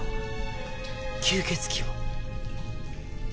吸血鬼を？